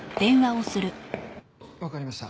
わかりました。